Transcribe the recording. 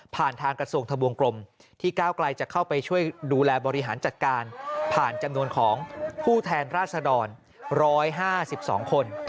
ทางกระทรวงทะบวงกรมที่ก้าวไกลจะเข้าไปช่วยดูแลบริหารจัดการผ่านจำนวนของผู้แทนราชดร๑๕๒คน